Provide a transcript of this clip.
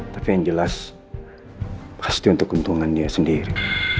tapi yang jelas pasti untuk keuntungan dia sendiri